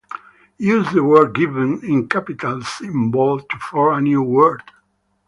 Use the word given in capitals in bold to form a new word